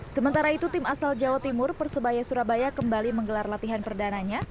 sementara itu tim asal jawa timur persebaya surabaya kembali menggelar latihan perdananya